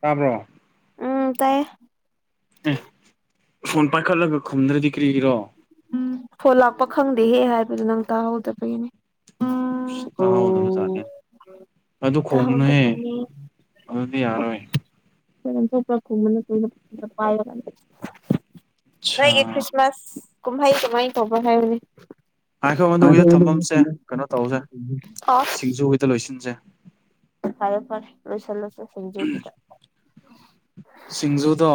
ꯇꯥꯕ꯭ꯔꯣ ꯎꯝ ꯇꯥꯏꯌꯦ ꯑꯦ ꯐꯣꯟ ꯄꯥꯏꯈꯠꯂꯒ ꯈꯨꯝꯗ꯭ꯔꯗꯤ ꯀ꯭ꯔꯤꯒꯤꯔꯣ ꯎꯝ ꯐꯣꯟ ꯂꯥꯛꯄ ꯈꯪꯗꯦꯍꯦ ꯍꯥꯏꯕꯗꯣ ꯅꯪ ꯇꯥꯍꯧꯗꯕꯩꯅꯦ ꯇꯥꯍꯧꯗꯕ ꯖꯥꯠꯅꯤ ꯑꯗꯨ ꯈꯣꯡꯒꯅꯣꯍꯦ ꯇꯥꯍꯧꯗꯕꯅꯤ ꯑꯗꯨꯗꯤ ꯌꯥꯔꯣꯏ [unintelligible] ꯑꯠꯁꯥ ꯅꯣꯏꯒꯤ ꯈ꯭ꯔꯤꯁ ꯃꯥꯁ ꯀꯨꯝꯍꯩ ꯀꯃꯥꯏꯅ ꯇꯧꯕ꯭ꯔꯥ ꯍꯥꯏꯕꯅꯦ ꯉꯥꯏꯈꯣ ꯑꯗꯨꯒꯤꯗꯣ ꯊꯝꯐꯝꯁꯦ ꯀꯩꯅꯣ ꯇꯧꯁꯦ [unintelligible] [unintelligible] ꯂꯣꯏꯁꯤꯟꯁꯦ ꯐꯔꯦ ꯐꯔꯦ ꯂꯣꯏꯁꯜꯂꯁꯦ ꯁꯦꯡꯖꯨꯒꯤꯗ ꯁꯤꯡꯖꯨꯗꯣ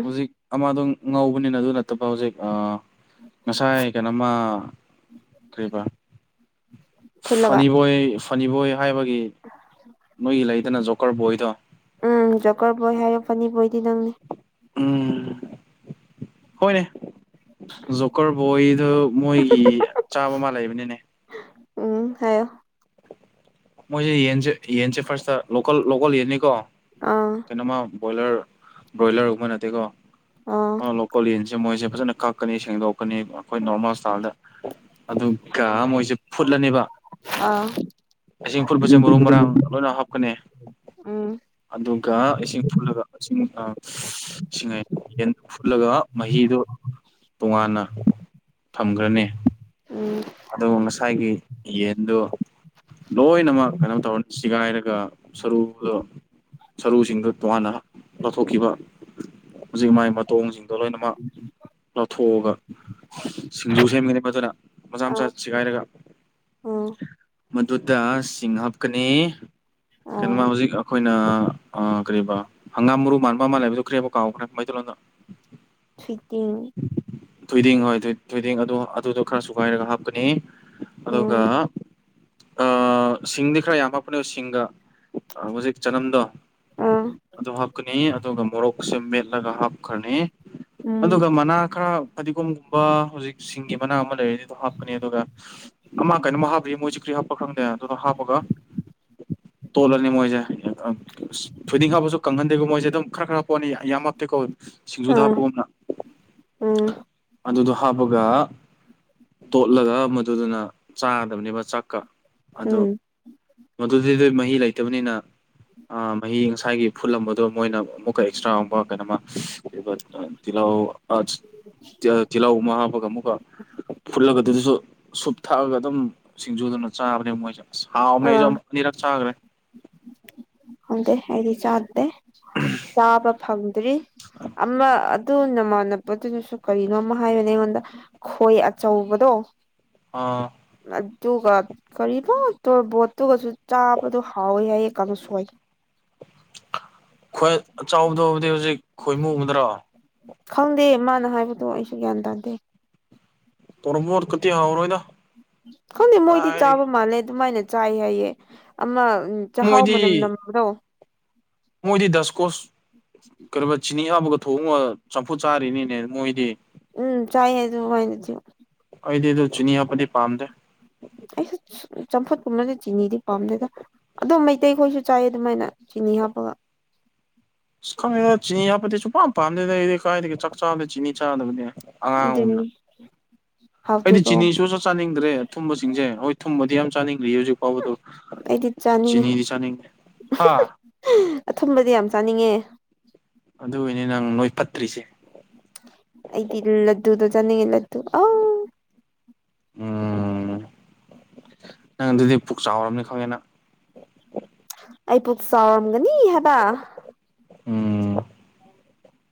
ꯍꯧꯖꯤꯛ ꯑꯃꯗꯣ ꯉꯧꯕꯅꯤꯅ ꯑꯗꯨ ꯅꯠꯇꯕ ꯍꯧꯖꯤꯛ ꯉꯁꯥꯏ ꯀꯩꯅꯣꯃ ꯀꯔꯤꯕ ꯐꯨꯜꯂꯒ ꯐꯟꯅꯤ ꯕꯣꯏ ꯐꯟꯅꯤꯕꯣꯏ ꯍꯥꯏꯕꯒꯤ ꯃꯣꯏꯒꯤ ꯂꯩꯗꯅ ꯖꯣꯀꯔ ꯕꯣꯏꯗꯣ ꯎꯝ ꯖꯣꯀꯔ ꯕꯣꯏ ꯍꯥꯏꯌꯣ ꯐꯟꯅꯤ ꯕꯣꯏꯗꯤ ꯅꯪꯅꯤ ꯎꯝ ꯍꯣꯏꯅꯦ ꯖꯣꯀꯔ ꯕꯣꯏꯗꯣ ꯃꯣꯏꯒꯤ ꯆꯥꯔꯝ ꯑꯃ ꯂꯩꯕꯅꯤꯅꯦ ꯎꯝ ꯍꯥꯏꯌꯣ ꯃꯣꯏꯁꯦ ꯌꯦꯟꯁꯦ ꯌꯦꯟꯁꯦ ꯐꯥꯔꯁꯇ ꯂꯣꯀꯜ ꯂꯣꯀꯜ ꯌꯦꯟꯅꯤꯀꯣ ꯑꯥ ꯑꯃ ꯕꯣꯏꯂꯔ ꯕꯔꯣꯏꯂꯔ ꯒꯨꯝꯕ ꯅꯠꯇꯦꯀꯣ ꯑꯥ ꯀꯣꯂꯤꯌꯦꯟꯁꯦ ꯃꯣꯏꯁꯦ ꯐꯖꯅ ꯀꯛꯀꯅꯤ ꯁꯦꯡꯗꯣꯛꯀꯅꯤ ꯑꯩꯈꯣꯏ ꯅꯣꯔꯃꯦꯜ ꯁꯇꯥꯏꯜꯗ ꯑꯗꯨ ꯒꯥ ꯃꯣꯏꯁꯦ ꯐꯨꯠꯂꯅꯦꯕ ꯑꯥ ꯏꯁꯤꯡ ꯐꯨꯠꯄꯁꯦ ꯃꯔꯨ ꯃꯔꯥꯡ ꯂꯣꯏꯅ ꯍꯥꯞꯀꯅꯤ ꯎꯝ ꯑꯗꯨꯒ ꯏꯁꯤꯡ ꯐꯨꯜꯂꯒ ꯏꯁꯤꯡ ꯁꯤꯡꯉꯥꯏ ꯌꯦꯟ ꯐꯨꯠꯂꯒ ꯃꯍꯤꯗꯨ ꯇꯣꯉꯥꯟꯅ ꯊꯝꯈ꯭ꯔꯅꯤ ꯎꯝ ꯑꯗꯨ ꯉꯁꯥꯏꯒꯤ ꯌꯦꯟꯗꯨ ꯂꯣꯏꯅꯃꯛ ꯀꯩꯅꯣ ꯇꯧꯔꯥꯒꯥ ꯁꯤꯒꯥꯏꯔꯒ ꯁꯔꯨꯗ ꯁꯔꯨꯁꯤꯡꯗꯨ ꯇꯣꯉꯥꯟꯅ ꯂꯧꯊꯣꯛꯈꯤꯕ ꯍꯧꯖꯤꯛ ꯃꯥꯥꯏ ꯃꯇꯣꯡꯁꯤꯡꯗꯣ ꯂꯣꯏꯅꯃꯛ ꯂꯧꯊꯣꯛꯂꯒꯥ ꯁꯤꯡꯖꯨ ꯁꯦꯝꯒꯅꯤ ꯐꯖꯅꯥ ꯃꯆꯥ ꯑꯥ ꯃꯆꯥ ꯁꯤꯒꯥꯏꯔꯒꯥ ꯎꯝ ꯃꯗꯨꯗꯥ ꯁꯤꯡ ꯍꯥꯛꯀꯥꯅꯤ ꯑꯥ ꯀꯟꯃꯥ ꯍꯧꯖꯤꯛ ꯑꯈꯣꯏ ꯀꯌꯤꯕꯥ ꯍꯪꯒꯥꯝ ꯃꯔꯨ ꯃꯥꯟꯕ ꯑꯃ ꯂꯩꯕꯗꯨ ꯀꯌꯤꯍꯥꯏꯕ ꯀꯥꯎ ꯈꯔ ꯃꯩꯇꯩꯂꯣꯟꯗꯥ ꯊꫭꯏꯗꯤꯡ ꯊꯣꯏꯗꯤꯡ ꯍꯣꯏ ꯊꯣꯏꯗꯤꯡ ꯑꯗꯨ ꯑꯗꯨꯗꯣ ꯈꯔꯥ ꯁꯨꯒꯥꯏꯔꯒꯥ ꯍꯥꯞꯀꯅꯤ ꯎꯝ ꯑꯗꯨꯒꯥ ꯑꯥ ꯁꯤꯡꯗꯤ ꯈꯔ ꯌꯥꯝꯅ ꯍꯥꯞꯄꯅꯤ ꯁꯤꯡꯒ ꯍꯧꯖꯤꯛ ꯆꯅꯝꯗꫭ ꯑꯥ ꯑꯗꯨ ꯍꯥꯞꯀꯅꯤ ꯑꯗꯨꯒ ꯃꯣꯔꯣꯛ ꯑꯁꯦ ꯃꯦꯠꯂꯒ ꯍꯥꯞꯈ꯭ꯔꯅꯤ ꯎꯝ ꯑꯗꯨꯒ ꯃꯅꯥ ꯈꯔ ꯐꯗꯤꯒꯣꯝꯒꯨꯝꯕ ꯍꯧꯖꯤꯛ ꯁꯤꯡꯒꯤ ꯃꯅꯥ ꯑꯃ ꯂꯩꯔꯗꯤꯗꯨ ꯍꯥꯞꯀꯅꯤ ꯑꯗꯨꯒ ꯑꯃ ꯀꯩꯅꯣꯝ ꯍꯥꯞꯄꯤ ꯃꯣꯏꯖꯨ ꯀ꯭ꯔꯤ ꯍꯥꯞꯄꯅꫭ ꯈꯪꯗꯦ ꯑꯗꯨꯗꯣ ꯍꯥꯞꯄꯒ ꯇꯣꯜꯂꯅꯤ ꯃꯣꯏꯖꯦ ꯊꯣꯏꯗꯤꯡ ꯍꯥꯞꯕꯁꯨ ꯀꯪꯍꯟꯗꯦꯀꫭ ꯃꯣꯏꯁꯦ ꯑꯗꯨꯝ ꯈꯔ ꯈꯔ ꯄꯣꯠꯅꯤ ꯑꯌꯥꯝꯅ ꯍꯥꯞꯇꯦꯀꯣ ꯁꯤꯡꯖꯨꯗ ꯑꯥ ꯍꯥꯞꯄꯒꯨꯝꯅ ꯎꯝ ꯑꯗꯨꯗꯣ ꯍꯥꯞꯄꯒ ꯇꯣꯠꯂꯒ ꯃꯗꯨꯗꯨꯅ ꯆꯗꯥꯏꯅꯦꯕ ꯆꯥꯛꯀ ꯑꯗꯣ ꯎꯝ ꯃꯗꯨꯗꯤ ꯑꯗꯨ ꯃꯍꯤ ꯂꯩꯇꯕꯅꯤꯅ ꯑꯥ ꯃꯍꯤ ꯉꯁꯥꯏꯒꯤ ꯐꯨꯠꯂꯝꯕꯗꯣ ꯃꯣꯏꯅ ꯑꯃꯨꯛꯀꯥ ꯑꯦꯛꯁꯇ꯭ꯔꯥꯒꯨꯝꯕ ꯀꯩꯅꯣꯝꯃ ꯑꯗꯨꯒ ꯇꯤꯜꯍꯧ ꯑꯁ ꯇꯤꯜ ꯇꯤꯜꯍꯧ ꯑꯃꯥ ꯍꯥꯞꯄꯒ ꯑꯃꯨꯛꯀ ꯐꯨꯠꯂꯒ ꯑꯗꯨꯗꯥꯁꯨ ꯁꯨꯞ ꯊꯥꯛꯂꯒ ꯑꯗꯨꯝ ꯁꯤꯡꯖꯨꯗꯨꯅ ꯆꯥꯕꯅꯦ ꯃꯣꯏꯁꯦ ꯑꯁ ꯍꯥꯎꯕꯅꯦ ꯑꯩꯁꯨ ꯑꯅꯤꯔꯛ ꯆꯥꯈ꯭ꯔꯦ ꯈꯪꯇ ꯑꯩꯊꯤ ꯆꯥꯇ ꯆꯥꯕ ꯐꯪꯗ꯭ꯔꯤ ꯑꯃ ꯑꯗꯨ ꯅꯃꯥꯟꯅꯕꯗꯨꯅꯁꯨ ꯀꯔꯤꯅꯣ ꯑꯃ ꯍꯥꯏꯕꯅꯦ ꯑꯩꯉꯣꯟꯗ ꯈꯣꯏ ꯑꯆꯧꯕꯗꯣ ꯑꯥ ꯑꯗꯨꯒ ꯀꯔꯅꯣ ꯇꯔꯕꯣꯠꯇꯨꯒꯁꯨ ꯆꯥꯕꯗꯣ ꯍꯥꯎꯋꯦ ꯍꯥꯏ ꯀꯥꯡꯁꯣꯏ ꯈꯣꯏ ꯑꯆꯩꯕꯗꫭ ꯍꯧꯖꯤꯛ ꯈꯣꯏꯃꯨꯕꯗ꯭ꯔꯣ ꯈꯪꯗꯦ ꯃꯥꯅ ꯍꯥꯏꯕꯗꯣ ꯑꯩꯁꯨ ꯒ꯭ꯌꯥꯟ ꯇꯥꯗꯦ ꯇꯔ꯭ꯕꯦꯠ ꯀꯥꯗꯤ ꯍꯥꯎꯔꯣꯏꯗꯥ ꯈꯪꯗꯦ ꯃꯣꯏꯗꯤ ꯆꯥꯕ ꯃꯥꯜꯂꯦ ꯑꯗꯨꯃꯥꯏꯅ ꯆꯥꯏ ꯍꯥꯏꯌꯦ ꯑꯃꯥ ꯎꯝ ꯆꯥꯍꯥꯎ ꯃꯅꯝ ꯃꯣꯏꯗꯤ ꯅꯝꯕꯗꯣ ꯃꯣꯏꯗꯤ ꯗꯁꯀꯣꯁ ꯀꯌꯤꯕ ꯆꯤꯅꯤ ꯍꯥꯞꯄꯒ ꯊꯣꯡꯉꯣ ꯆꯝꯐꯨꯠ ꯆꯥꯔꯤꯅꯤꯅꯦ ꯃꯣꯏꯗꯤ ꯎꯝ ꯍꯥꯏ ꯑꯗꯨ [unintelligible] ꯑꯩꯗꯤꯗꯣ ꯆꯤꯅꯤ ꯍꯥꯄꯗꯤ ꯄꯥꯝꯗꯦ ꯑꯩꯁꯨ ꯆꯝꯐꯨꯠꯀꯨꯝꯕꯗꯤ ꯆꯤꯅꯤꯗꯤ ꯄꯥꯝꯗꯦꯗꯥ ꯑꯗꯨꯝ ꯃꯩꯇꯩꯈꯣꯏꯁꯨ ꯆꯥꯏ ꯑꯗꯨꯃꯥꯏꯅ ꯆꯤꯅꯤ ꯍꯥꯞꯄꯒ ꯈꯪꯗꯗꯥ ꯆꯅꯤ ꯍꯥꯞꯄ ꯁꯨꯄꯥꯟ ꯄꯥꯟꯗꯗꯥ ꯀꯥꯏꯗꯒꯤ ꯆꯥꯛ ꯆꯥꯕꯗ ꯆꯤꯅꯤ ꯆꯥꯗꯕꯅꯦ ꯑꯉꯥꯡ ꯑꯅ ꯑꯗꯨꯅꯤ ꯑꯩꯗꯤ ꯍꯥꯎꯇꯦꯀꯣ ꯆꯤꯅꯤꯁꯨ ꯆꯥꯅꯤꯡꯗ꯭ꯔꯦ ꯑꯊꯨꯝꯕꯁꯤꯡꯁꯦ ꯍꯣꯏ ꯊꯨꯝꯕꯗꯤ ꯌꯥꯝ ꯆꯥꯅꯤꯡꯗꯤꯌꯦ ꯍꯧꯖꯤꯛ ꯑꯩꯗꯤ ꯆꯥꯅꯤꯡꯉꯦ ꯆꯤꯅꯤꯗꯤ ꯆꯅꯤꯡ ꯍꯥ ꯑꯊꯨꯝꯕꯗꯤ ꯌꯥꯝ ꯆꯥꯅꯤꯡꯉꯦ ꯑꯗꯨꯒꯤꯅꯤ ꯅꯪ ꯅꯣꯏ ꯐꯠꯇ꯭ꯔꯤꯁꯦ ꯑꯩꯗꯤ ꯂꯗꯨꯗꫭ ꯆꯅꯤꯡꯉ ꯑ ꯎꯝ ꯅꯪ ꯑꯗꯨꯗꯤ ꯄꯨꯛ ꯆꯥꯎꯔꯝꯅꯤ ꯈꯪꯉꯦꯅꯪ ꯑꯩ ꯄꯨꯛ ꯆꯥꯎꯔꯝꯒꯅꯤ ꯍꯥꯏꯕ ꯎꯝ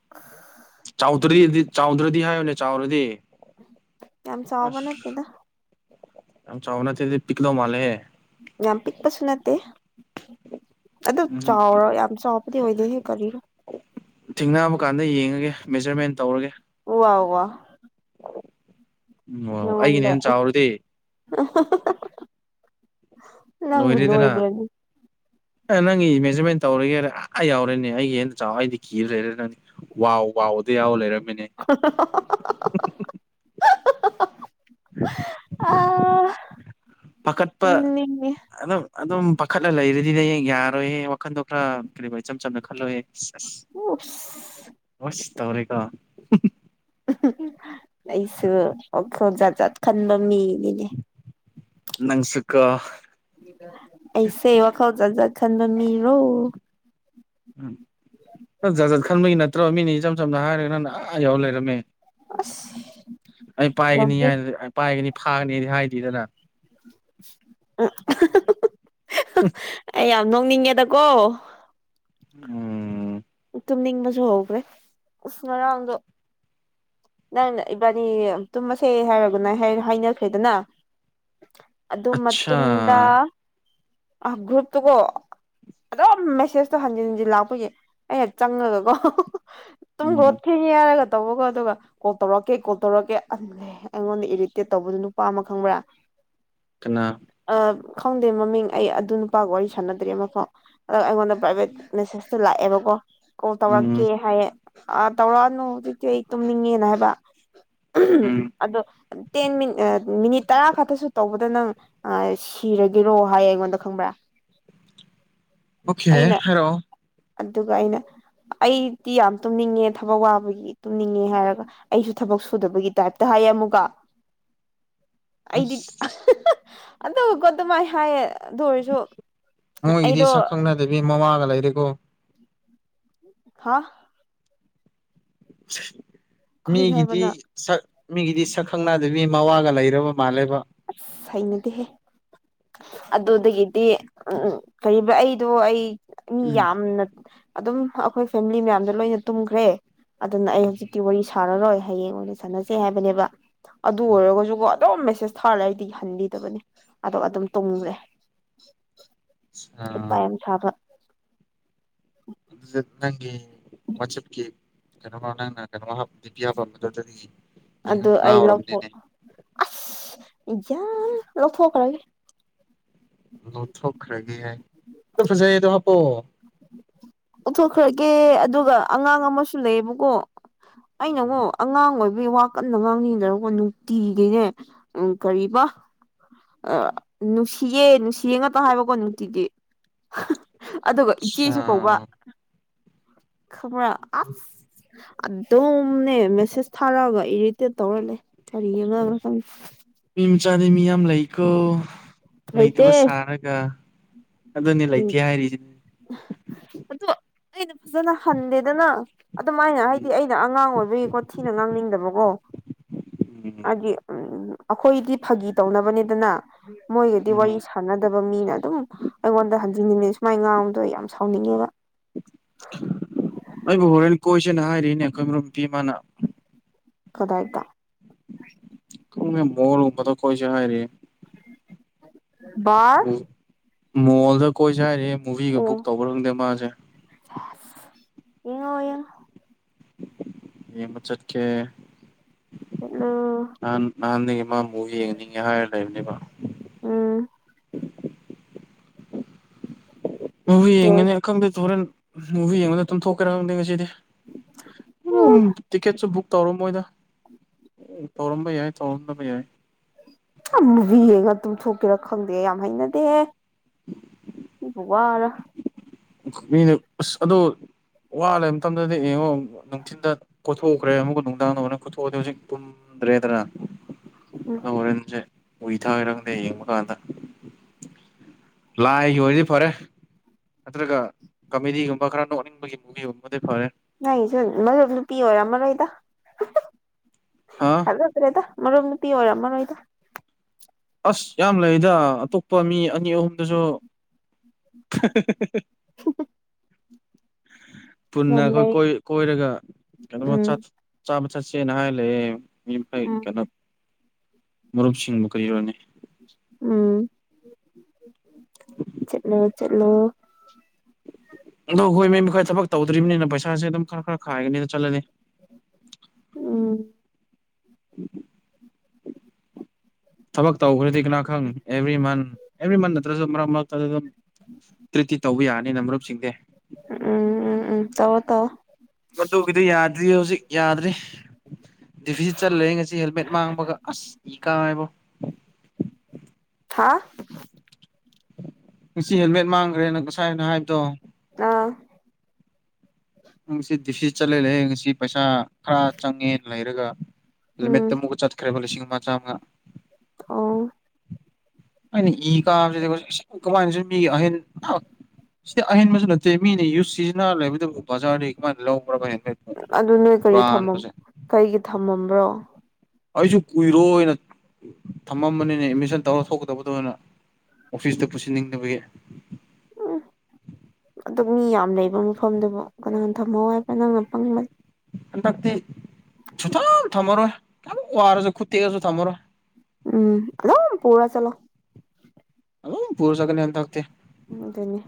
[unintelligible] [inaudible] ꯆꯥꯎꯗ꯭ꯔꯗꯤꯗꯤ ꯆꯥꯎꯗ꯭ꯔꯗꯤ ꯍꯥꯏꯌꯣꯅꯦ ꯆꯥꯎꯔꯗꯤ ꯌꯥꯝ ꯆꯥꯎꯕ ꯑꯁ ꯅꯠꯇꯦꯗ ꯌꯥꯝ ꯆꯥꯎꯕ ꯅꯠꯇꯔꯗꯤ ꯄꯤꯛꯄ ꯃꯥꯜꯂꯦ ꯌꯥꯝ ꯄꯤꯛꯄꯁꯨ ꯅꯠꯇꯦ ꯑꯗꯨ ꯎꯝ ꯆꯥꯎꯔ ꯌꯥꯝ ꯆꯥꯎꯕꯗꯤ ꯑꯣꯏꯗꯦꯍ‌ꯦ ꯀꯔꯤ ꯊꯦꯡꯅꯕ ꯀꯥꯟꯗ ꯌꯦꯡꯉꯒꯦ ꯃꯦꯖꯔꯃꯦꯟ ꯇꯧꯔꯒꯦ ꯋꯥ ꯋꯥ ꯎꯝ ꯑꯣ ꯑꯩꯒꯤꯅ ꯅꯉ‌ꯣꯟꯗꯩ ꯍꯦꯟꯅ ꯆꯥꯎꯔꯗꯤ ꯂꯣꯏꯔ‌ꯦꯗꯅ ꯑꯦ ꯅꯪꯒꯤ ꯃꯦꯖꯔꯃꯦꯟ ꯇꯧꯔꯒꯦꯔ ꯑ ꯑꯥ ꯌꯥꯎꯔꯅꯤ ꯑꯩꯒꯤ ꯍꯦꯟꯅ ꯆꯥꯎ ꯑꯩꯗꯤ ꯀꯤ ꯂꯩꯔ ꯅꯪꯗꯤ ꯋꯥꯎ ꯋꯥꯎꯗꯤ ꯌꯥꯎ ꯂꯩꯔꯝꯃꯦꯅꯦ [unintelligible] ꯑꯥ ꯄꯥꯈꯠꯄ ꯇꯨꯝꯅꯤꯡꯉꯦ ꯑꯗꯨꯝ ꯑꯗꯨꯝ ꯄꯥꯈꯠꯂ ꯂꯩꯔꯗꯤꯅꯦ ꯌꯥꯔꯣꯏꯍꯦ ꯋꯥꯈꯟꯗꯣ ꯈꯔ ꯀꯔꯤꯕ ꯏꯆꯝ ꯆꯝꯅ ꯈꯜꯂꯣꯍꯦ ꯑꯁ ꯑꯁ ꯎꯞ ꯑꯁ ꯇꯧꯔꯦꯒ ꯑꯩꯁꯨ ꯋꯥꯈꯜ ꯖꯠ ꯖꯠ ꯈꯟꯕ ꯃꯤꯅꯤꯅꯦ ꯅꯪꯁꯨꯀꯣ ꯑꯩꯁꯦ ꯋꯥꯈꯜ ꯖꯥꯠ ꯖꯥꯠ ꯈꯟꯕ ꯃꯤꯔꯣ ꯎꯝ ꯖꯥꯠ ꯖꯥꯠ ꯈꯟꯕꯒꯤ ꯅꯠꯇ꯭ꯔꯣ ꯃꯤꯅ ꯏꯆꯝ ꯆꯝꯅ ꯍꯥꯏꯔꯒ ꯅꯪꯅ ꯑꯥ ꯌꯥꯎꯔ ꯂꯩꯔꯝꯃꯦ ꯑꯁ ꯑꯩ ꯌꯥꯝ ꯄꯥꯏꯒꯅꯤ ꯍꯥꯏ ꯑꯩ ꯄꯥꯏꯒꯅꯤ ꯐꯥꯒꯅꯤꯗꯤ ꯍꯥꯏꯗ‌ꯦꯗꯅ ꯑꯩ ꯌꯥꯝ ꯅꯣꯛꯅꯤꯡꯉꯦꯗꯀꯣ ꯎꯝ ꯇꯨꯝꯅꯤꯡꯕꯁꯨ ꯍꯧꯈ꯭ꯔꯦ ꯎꯁ ꯉꯔꯥꯡꯗꯣ ꯅꯪ ꯏꯕꯥꯟꯅꯤ ꯇꯨꯝꯃꯁꯦ ꯍꯥꯏꯔꯒ ꯒꯨꯠꯅꯥꯠ ꯍꯥꯏ ꯍꯥꯏꯅꯈ꯭ꯔꯦꯗꯅ [inaudible] ꯑꯗꯨ ꯃꯇꯨꯡꯗ ꯑꯠꯆꯥ ꯑ ꯒ꯭ꯔꯨꯞꯇꯨꯒꯣ ꯑꯗꯨꯝ ꯃꯦꯁꯦꯁꯇꯣ ꯍꯟꯖꯤꯟ ꯍꯟꯖꯤꯟ ꯂꯥꯛꯄꯒꯤ ꯑꯩꯅ ꯆꯪꯉꯒꯀꯣ ꯇꯨꯝꯈꯔꯣ ꯎꯝ ꯊꯦꯡꯉꯦ ꯍꯥꯏꯔꯒ ꯇꯧꯕꯒ ꯑꯗꯨꯒ ꯀꯣꯜ ꯇꯧꯔꯛꯀꯦ ꯀꯣꯜ ꯇꯧꯔꯛꯀꯦ ꯑꯗꯨ ꯑꯩꯉꯣꯟꯗ ꯏꯔꯤꯇꯦꯠ ꯇꯧꯕꯗꯨ ꯅꯨꯄꯥ ꯑꯃ ꯈꯪꯕ꯭ꯔꯥ ꯀꯅꯥ ꯑꯥ ꯈꯪꯗꯦ ꯃꯃꯤꯡ ꯑꯩ ꯑꯗꯨ ꯅꯨꯄꯥꯒ ꯋꯥꯔꯤ ꯁꯥꯟꯅꯗ꯭ꯔꯦ ꯑꯃꯐꯥꯎ ꯑ ꯑꯩꯉꯣꯟꯗ ꯃꯦꯁꯦꯁꯇ‌ꯣ ꯂꯥꯛꯑꯦꯕꯀꯣ ꯀꯣꯜ ꯎꯝ ꯇꯧꯔꯛꯀꯦ ꯍꯥꯏꯌꯦ ꯑ ꯇꯧꯔꯛꯑꯅꯨ ꯍꯧꯖꯤꯛꯇꯤ ꯑꯩ ꯇꯨꯝꯅꯤꯡꯉꯦꯅ ꯍꯥꯏꯕ ꯎꯝ ꯑꯗꯣ ꯇꯦꯟ ꯃꯤꯅꯤꯠ ꯃꯤꯅꯤꯠ ꯇꯔꯥ ꯈꯛꯇꯁꯨ ꯇꯧꯕꯗ ꯅꯪ ꯑ ꯁꯤꯔꯒꯦꯔꯣ ꯍꯥꯏꯌꯦ ꯑꯩꯉꯣꯟꯗ ꯈꯪꯕ꯭ꯔꯥ ꯑꯣꯀꯦ ꯑꯩꯅ ꯍꯥꯏꯔꯛꯑꯣ ꯑꯗꯨꯒ ꯑꯩꯅ ꯑꯩꯗꯤ ꯌꯥꯝ ꯇꯨꯝꯅꯤꯡꯉꯦ ꯊꯕꯛ ꯋꯥꯕꯒꯤ ꯇꯨꯝꯅꯤꯡꯉꯦ ꯍꯥꯏꯔꯒ ꯑꯩꯁꯨ ꯊꯕꯛ ꯁꯨꯗꯕꯒꯤ ꯇꯥꯏꯞꯇ ꯍꯥꯏꯌꯦ ꯑꯃꯨꯛꯀ [inaudible] ꯑꯁ ꯑꯩꯗꯤ ꯑꯗꯨꯀꯣ ꯑꯗꯨꯃꯥꯏ ꯍꯥꯏꯌꯦ ꯑꯗꯨ ꯑꯣꯏꯔꯁꯨ ꯃꯣꯏꯒꯤꯗꯤ ꯑꯩꯗꯣ ꯁꯛ ꯈꯪꯅꯗꯕꯤ ꯃꯋꯥꯒ ꯂꯩꯔꯦꯀꯣ ꯍꯥꯥ ꯀꯔꯤ ꯃꯤꯒꯤꯗꯤ ꯍꯥꯏꯕꯅꯣ ꯁꯛ ꯃꯤꯒꯤꯗꯤ ꯁꯛ ꯈꯪꯅꯗꯕꯤ ꯃꯋꯥꯒ ꯂꯩꯔꯕ ꯃꯥꯜꯂꯦꯕ ꯑꯁ ꯍꯩꯅꯗꯦꯍꯦ ꯑꯗꯨꯗꯒꯤꯗꯤ ꯎꯝ ꯀꯩꯕ ꯑꯩꯗꯣ ꯑꯩ ꯃꯤ ꯎꯝ ꯌꯥꯝꯅ ꯑꯗꯨꯝ ꯑꯩꯈꯣꯏ ꯐꯦꯃꯤꯂꯤ ꯃꯌꯥꯝꯗꯣ ꯂꯣꯏꯅ ꯇꯨꯝꯈ꯭ꯔꯦ ꯑꯗꯨꯅ ꯑꯩ ꯍꯧꯖꯤꯛꯇꯤ ꯋꯥꯔꯤ ꯁꯥꯟꯅꯔꯣꯏ ꯍꯌꯦꯡ ꯑꯣꯏꯅ ꯁꯥꯟꯅꯁꯦ ꯍꯥꯏꯕꯅꯦꯕ ꯑꯗꯨ ꯑꯣꯏꯔꯒꯁꯨꯀꯣ ꯑꯗꯨꯝ ꯃꯦꯁꯦꯁ [unintelligible] ꯍꯟꯕꯤꯗꯕꯅꯤ ꯑꯗꯣ ꯑꯗꯨꯝ ꯇꯨꯡꯈ꯭ꯔꯦ ꯑ ꯍꯩꯄꯥ ꯌꯥꯝ ꯁꯥꯕ [unintelligible] ꯅꯪꯒꯤ ꯋꯥꯆꯞꯀꯤ [unintelligible] ꯑꯗꯨ ꯌꯦꯡꯉ ꯑꯩ ꯂꯧꯊꯣꯛ ꯉꯥꯎꯔꯕꯅꯤꯅꯦ ꯑꯁ ꯌꯥꯟ ꯂꯧꯊꯣꯛꯈ꯭ꯔꯒꯦ ꯂꯧꯊꯣꯛꯈ꯭ꯔꯒꯦ ꯍꯥꯏ ꯐꯖꯩꯌꯦ ꯑꯗꯣ ꯍꯥꯞꯄꯣ ꯑꯣꯊꯣꯛꯈ꯭ꯔꯒꯦ ꯑꯗꯨꯒ ꯑꯉꯥꯡ ꯑꯃꯁꯨ ꯂꯩꯑꯕꯀꯣ ꯑꯩꯅꯉꯣ ꯑꯉꯥꯡ ꯑꯣꯏꯕꯩ ꯋꯥ ꯀꯟꯅ ꯉꯥꯡꯅꯤꯡꯗꯔꯀꯕꯀꯣ ꯅꯨꯡꯇꯤꯒꯤꯅꯦ ꯎꯝ ꯀꯔꯤꯕ ꯅꯨꯡꯁꯤꯌꯦ ꯅꯨꯡꯁꯤꯌꯦ ꯉꯥꯛꯇ ꯍꯥꯏꯕꯀꯣ ꯅꯨꯡꯇꯤꯒꯤ ꯑꯗꯨꯒ ꯑꯠꯆꯥ ꯏꯆꯦꯁꯨ ꯀꯧꯕ ꯈꯕꯔꯥ ꯑꯁ ꯑꯗꯨꯝꯅꯦ ꯃꯦꯁꯦꯁ ꯊꯥꯔꯛꯑꯒ ꯏꯔꯤꯠ ꯇꯦꯠ ꯇꯧꯔꯂꯩ ꯀꯔꯤ ꯑꯉꯥꯡꯅꯣ ꯈꯪꯗꯦ ꯅꯨꯄꯤ ꯃꯆꯥꯅꯤ ꯃꯤ ꯌꯥꯝ ꯂꯩꯀꯣ ꯂꯩꯇꯕ ꯂꯩꯇꯦ ꯁꯥꯔꯒ ꯑꯗꯨꯅꯤ ꯎꯝ ꯂꯩꯇꯦ ꯍꯥꯏꯔꯤꯁꯤꯅꯤ ꯑ ꯑꯩꯅ ꯐꯖꯅ ꯍꯟꯗꯦꯗꯅ ꯑꯗꯨꯃꯥꯏꯅ ꯍꯥꯏꯗꯤ ꯎꯝ ꯑꯩꯅ ꯑꯉꯥꯡ ꯑꯣꯏꯕꯒꯤꯀꯣ ꯊꯤꯅ ꯉꯥꯡꯅꯤꯡꯗꯕꯀꯣ ꯎꯝ ꯍꯥꯏꯗꯤ ꯎꯝ ꯑꯩꯈꯣꯏꯗꯤ ꯐꯥꯒꯤ ꯇꯧꯅꯕꯅꯤꯗꯅ ꯃꯣꯏꯒꯗꯤ ꯋꯥꯔꯤ ꯎꯝ ꯁꯥꯟꯅꯗꯕ ꯃꯤꯅ ꯑꯗꯨꯝ ꯑꯩꯉꯣꯟꯗ ꯍꯟꯖꯤꯟꯅꯤꯡꯉꯦ ꯁꯨꯃꯥꯏ ꯉꯥꯡꯕꯗꯣ ꯌꯥꯝ ꯁꯥꯎꯅꯤꯡꯉꯦꯕ ꯑꯩꯕꯨ ꯍꯣꯔꯦꯟ ꯀꯣꯏꯁꯦꯅ ꯍꯥꯏꯔꯤꯅꯦ ꯑꯩꯈꯣꯏ ꯃꯔꯨꯞꯀꯤ ꯏꯄꯥꯖ ꯀꯗꯥꯥꯏꯗ [unintelligible] ꯀꯣꯏꯁ ꯍꯥꯏꯔꯦ ꯕꯥꯔ [unintelligible] ꯃꯣꯜꯗ ꯀꯣꯏꯁꯦ ꯍꯥꯏꯔꯤ ꯃꯨꯚꯤꯒ ꯕꯨꯛ ꯑꯣ ꯇꯧꯕꯔ ꯈꯪꯗꯦ ꯃꯥꯁꯦ ꯌꯦꯡꯉꯣ ꯌꯦꯡꯉꯣ ꯌꯦꯡꯕ ꯆꯠꯀꯦ [unintelligible] ꯅꯍꯥꯟ ꯅꯍꯥꯟꯗꯒꯤ ꯃꯥ ꯕꯨꯥꯎ ꯌꯦꯡꯅꯤꯡꯉꯦ ꯍꯥꯏꯔ ꯂꯩꯕꯅꯦꯕ ꯎꯝ [unintelligible] ꯌꯦꯡ ꯌꯦꯡꯕꯗ ꯑꯗꯨꯝ ꯊꯣꯛꯀꯦꯔꯥ ꯈꯪꯗꯦ ꯉꯁꯤꯗꯤ ꯎ ꯎꯝ ꯇꯤꯛꯀꯦꯠꯁꯨ ꯕꯨꯛ ꯇꯧꯔꯝꯃꯣꯏꯗ ꯇꯧꯔꯝꯕ ꯌꯥꯏ ꯇꯧꯔꯝꯗꯕ ꯌꯥꯏ ꯍꯥ ꯃꯨꯕꯤ ꯌꯦꯒ ꯇꯨꯝ ꯊꯣꯛꯀꯦꯔꯥ ꯈꯪꯗꯦ ꯌꯥꯝ ꯍꯩꯅꯗꯦꯖꯦ [unintelligible] [inaudible] [unintelligible] ꯃꯤꯅꯦ ꯑꯁ ꯑꯗꯣ ꯋꯥ ꯂꯩꯕ ꯃꯇꯝꯗꯗꯤ ꯌꯦꯡꯉꯣ ꯅꯨꯡꯊꯤꯟꯗ ꯀꯣꯊꯣꯛꯎꯈ꯭ꯔꯦ ꯑꯃꯨꯛꯀ ꯅꯨꯡꯗꯥꯡꯅ ꯀꯣꯊꯣꯛꯑꯗꯤ ꯍꯧꯖꯤꯛ ꯎꯝ ꯈꯗ꯭ꯔꯦꯗꯅ ꯍꯣꯔꯦꯟꯁꯦ [unintelligible] ꯌꯦꯡꯕ ꯀꯥꯟꯗ ꯂꯥꯏꯒꯤ ꯑꯣꯏꯔꯗꯤ ꯐꯔꯦ ꯅꯠꯇ꯭ꯔꯒ ꯀꯃꯦꯗꯤꯒꯨꯝꯕ ꯈꯔ ꯅꯣꯛꯅꯤꯡꯕꯒꯤ ꯃꯨꯚꯤꯒꯨꯝꯕꯗꯤ ꯐꯔꯦ ꯅꯪꯁꯨ ꯃꯔꯨꯞ ꯅꯨꯄꯤ ꯑꯣꯏꯔꯝꯃꯔꯣꯏꯗ ꯍꯥ [unintelligible] [unintelligible] ꯃꯔꯨꯞ ꯅꯨꯄꯤ ꯑꯣꯏꯔꯝ ꯃꯔꯣꯏꯗ ꯑꯁ ꯌꯥꯝ ꯂꯩꯗ ꯑꯇꯣꯞꯄ ꯃꯤ ꯑꯅꯤ ꯑꯍꯨꯝꯗꯨꯁꯨ [unintelligible] ꯄꯨꯟꯅ ꯌꯥꯝ ꯂꯩ ꯑꯩꯈꯣꯏ ꯀꯣꯏꯔꯒ ꯀꯩꯅꯣꯃ ꯎꯝ ꯆꯥꯕ ꯆꯠꯁꯦꯅ ꯍꯥꯏ ꯂꯩꯌꯦ ꯎꯝ [unintelligible] ꯃꯔꯨꯞꯁꯤꯡꯕꯨ [unintelligible] ꯎꯝ ꯆꯠꯂꯣ ꯆꯠꯂꯣ ꯑꯗꯣ ꯍꯣꯏ ꯃꯦꯝꯣꯏ ꯊꯕꯛ ꯇꯧꯗ꯭ꯔꯤꯕꯅꯤꯅ ꯄꯩꯁꯥꯁꯦ ꯑꯗꯨꯝ ꯈꯔ ꯈꯔ ꯈꯥꯏꯒꯅꯤꯅ ꯆꯠꯂꯅꯤ ꯎꯝ ꯎꯝꯝ ꯎꯝ [unintelligible] [inaudible] ꯊꯕꯛ ꯇꯧꯈ꯭ꯔꯗꯤ ꯀꯅꯥꯈꯪ ꯑꯦꯚ꯭ꯔꯤ ꯃꯟ ꯑꯦꯚ꯭ꯔꯤ ꯃꯟ ꯅꯠꯇ꯭ꯔꯁꯨ ꯃꯔꯛ ꯃꯔꯛꯇꯗ ꯑꯗꯨꯝ ꯇ꯭ꯔꯤꯠꯇꯤ ꯇꯧꯕ ꯌꯥꯅꯤꯅ ꯃꯔꯨꯞꯁꯤꯡꯁꯦ ꯎꯝ ꯎꯝ ꯎꯝ ꯇꯧꯋꯣ ꯇꯧꯋꯣ ꯃꯗꯨꯒꯤꯗꯤ ꯌꯥꯗ꯭ꯔꯤꯍꯦ ꯍꯧꯖꯤꯛ ꯌꯥꯗ꯭ꯔꯤ ꯗꯤꯚꯤ ꯆꯠꯂꯦ ꯉꯁꯤ ꯍꯦꯜꯃꯦꯠ ꯃꯥꯡꯕꯒ ꯑꯁ ꯏꯀꯥꯔꯦꯕꯣ ꯍꯥ ꯉꯁꯤ ꯍꯦꯜꯃꯦꯠ ꯃꯥꯡꯈ꯭ꯔꯦꯅ ꯉꯁꯥꯏ ꯍꯥꯏꯅ ꯍꯥꯏꯕꯗꯣ ꯑꯥ ꯉꯁꯤ ꯗꯤꯐꯤꯠ ꯆꯠꯂꯦ ꯂꯩꯌꯦ ꯉꯁꯤ ꯄꯩꯁꯥ ꯈꯔ ꯆꯪꯉꯦꯅ ꯂꯩꯔꯒ ꯎꯝ ꯂꯤꯃꯤꯠꯇ ꯑꯃꯨꯛ ꯆꯠꯈ꯭ꯔꯦꯕ ꯂꯤꯁꯤꯡ ꯑꯃ ꯆꯥꯝꯃꯉꯥ ꯑꯣ ꯑꯩꯅ ꯏ ꯀꯥꯕꯁꯤꯕꯁꯤ ꯀꯃꯥꯏꯅ ꯃꯤ ꯑꯍꯦꯟ ꯁꯤꯗꯤ ꯑꯍꯦꯟꯕꯁꯨ ꯅꯠꯇꯦ ꯃꯤꯅꯤ ꯌꯨꯁ ꯁꯤꯖꯤꯟꯅꯔ ꯂꯩꯕꯗꯨꯕꯨ ꯕꯖꯥꯔꯗꯩ ꯀꯃꯥꯏꯅ ꯂꯧꯕꯔ ꯚꯥꯏ ꯑꯗꯨ ꯅꯣꯏ ꯀꯔꯤ ꯊꯃꯝ ꯀꯩꯒꯤ ꯊꯝꯃꯝꯕ꯭ꯔꯣ ꯑꯩꯁꯨ ꯀꯨꯏꯔꯣꯅ ꯊꯝꯃꯝꯕꯅꯤꯅꯦ ꯑꯦꯠꯃꯤꯁꯟ ꯇꯧꯔ ꯊꯣꯛꯀꯗꯕꯗ ꯑꯣꯏꯅ ꯑꯣꯐꯤꯁꯇ ꯄꯨꯁꯤꯟꯅꯤꯡꯗꯕꯒꯤ ꯎꯝ ꯑꯗꯨꯛ ꯃꯤ ꯌꯥꯝ ꯂꯩꯕ ꯃꯐꯝꯗꯨꯕꯨ ꯀꯅꯥꯅ ꯊꯝꯍꯧ ꯍꯥꯏꯕ ꯅꯪꯅ ꯄꯪꯕ ꯍꯟꯗꯛꯇꯤ ꯁꯨꯊ ꯊꯝꯃꯔꯣꯏ ꯌꯥꯝꯈꯤ ꯋꯥꯔꯁꯨ ꯈꯨꯠꯇꯦꯛꯑꯁꯨ ꯊꯝꯃꯔꯣꯏ ꯎꯝ ꯑꯗꯨꯞ ꯄꯨꯔ ꯆꯠꯂꯣ ꯑꯗꯨꯝ ꯄꯨꯔꯥ ꯆꯠꯀꯅꯤ ꯍꯟꯗꯛꯇꯤ ꯑꯗꯨ ꯑꯗꯨꯅꯦ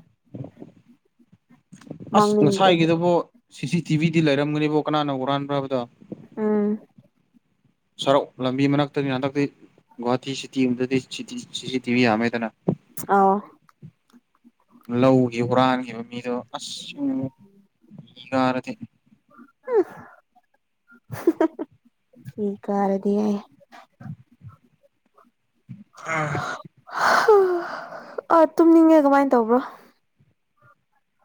ꯑꯁ ꯃꯥꯡꯅꯤꯡꯗ꯭ꯔꯗꯤ ꯉꯁꯥꯏꯒꯤꯗꯕꯣ ꯁꯤ ꯁꯤ ꯇꯤ ꯚꯤꯗꯤ ꯂꯩꯔꯝꯒꯅꯦꯕꯣ ꯀꯅꯥꯅ ꯎꯔꯥꯟꯕ꯭ꯔ ꯍꯥꯏꯕꯗꯣ ꯎꯝ ꯁꯔꯣꯛ ꯂꯝꯕꯤ ꯃꯔꯛꯇꯅꯤꯅ ꯍꯟꯗꯛꯇꯤ ꯒꯨꯍꯥꯇꯤ ꯁꯤꯇꯤ ꯑꯃꯗꯗꯤ [unintelligible] ꯇꯤꯚꯤ ꯌꯥꯝꯃꯦꯗꯅ ꯑꯥꯎ ꯂꯧꯒꯤ ꯍꯨꯔꯥꯟꯈꯤꯕ ꯃꯤꯗꯣ ꯑꯁ [unintelligible] ꯏ ꯀꯔꯥꯗꯤ ꯍꯨꯝ [unintelligible] ꯏ ꯀꯥꯔꯗꯤ ꯍꯦ ꯑꯥ ꯑ ꯇꯨꯝꯅꯤꯡꯉꯦ ꯀꯃꯥꯏꯅ ꯇꯧꯕ꯭ꯔꯥ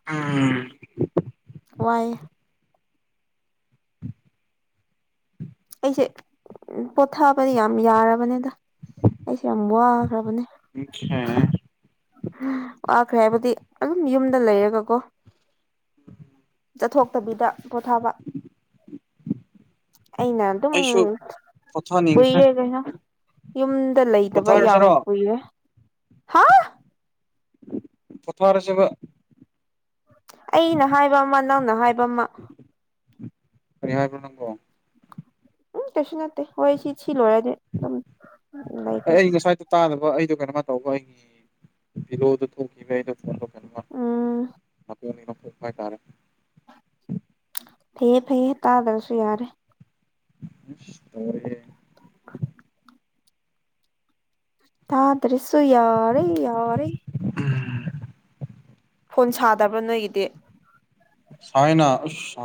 ꯑꯥ [unintelligible] [inaudible] ꯋꯥꯏꯌꯦ ꯑꯩꯁꯦ ꯄꯣꯊꯥꯕꯗꯤ ꯌꯥꯝ ꯌꯥꯔꯕꯅꯤꯗ ꯑꯩꯁꯦ ꯌꯥꯝ ꯋꯥꯈ꯭ꯔꯕꯅꯦ [unintelligible] ꯋꯥꯈ꯭ꯔꯦ ꯍꯥꯏꯕꯗꯤ ꯑꯗꯨꯝ ꯌꯨꯝꯗ ꯂꯩꯔꯒ ꯀꯣ ꯆꯠꯊꯣꯛꯇꯕꯤꯗ ꯄꯣꯊꯥꯕ ꯑꯩꯅ ꯑꯗꯨꯝ ꯑꯩꯁꯨ ꯄꯣꯊꯥꯅꯤꯡꯈ꯭ꯔꯦ ꯀꯨꯏꯔꯦ ꯀꯩꯅꯣ ꯌꯨꯝꯗ ꯂꯩꯇꯕ ꯌꯥꯝ ꯄꯣꯊꯥꯔꯁꯤꯔꯣ ꯀꯨꯏꯔꯦ ꯍꯥ ꯄꯣꯊꯥꯔꯁꯤꯕ ꯑꯩꯅ ꯍꯥꯏꯕ ꯑꯃ ꯅꯪꯅ ꯍꯥꯏꯕ ꯑꯃ ꯀꯔꯤ ꯍꯥꯏꯕꯅꯣ ꯅꯪꯕꫭ ꯎꯝ ꯀꯩꯁꯨ ꯅꯠꯇꯦ ꯍꯣꯏ ꯁꯤ ꯁꯤ ꯂꯣꯏꯔꯗꯤ ꯑꯗꯨꯝ ꯑꯦ ꯂꯩꯈ꯭ꯔꯁꯦ ꯑꯩ ꯉꯁꯥꯏꯗꯣ ꯇꯥꯗꯕ ꯑꯩꯗꯣ ꯀꯩꯅꯝꯃ ꯇꯧꯕ ꯑꯩꯒꯤ ꯚꯂꯣꯗ ꯊꯣꯛꯈꯤꯕ ꯑꯩꯩꯅꯣ ꯎꯝ ꯐꯣꯟ ꯍꯥꯏꯇꯥꯔꯦ ꯐꯩꯌꯦ ꯐꯩꯌꯦ ꯇꯥꯗꯁꯨꯣ ꯌꯔꯦ ꯏꯁ ꯇꯧꯔꯦꯍꯦ [inaudible] ꯇꯥꯗ꯭ꯔꯥꯁꯨꯨ ꯌꯥꯔꯦ ꯌꯥꯔꯦ ꯎꯝ ꯐꯣꯟ ꯁꯥꯗꯕ꯭ꯔꯥ ꯅꯣꯏꯒꯤꯗꯤ ꯍꯥꯏꯌꯦꯅ ꯑꯁ